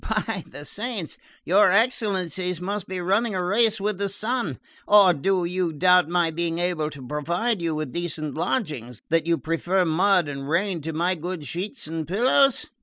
"By the saints, your excellencies must be running a race with the sun! Or do you doubt my being able to provide you with decent lodgings, that you prefer mud and rain to my good sheets and pillows?"